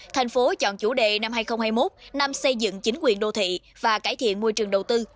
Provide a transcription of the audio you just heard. thành phố chọn chủ đề năm hai nghìn hai mươi một năm xây dựng chính quyền đô thị và cải thiện môi trường đầu tư